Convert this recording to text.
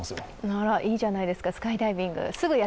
あら、いいじゃないですかスカイダイビング。